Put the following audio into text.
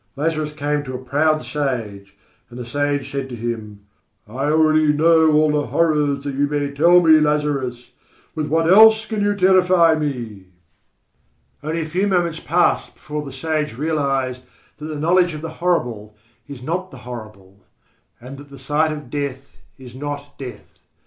Lazarus came to a proud sage, and the sage said to him: "I already know all the horrors that you may tell me, Lazarus. With what else can you terrify me?" Only a few moments passed before the sage realised that the knowledge of the horrible is not the horrible, and that the sight of death is not death.